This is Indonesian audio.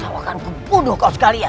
atau akan kubunuh kau sekalian